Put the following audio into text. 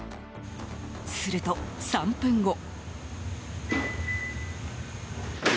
すると、３分後。